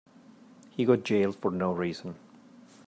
He got jailed for no reason.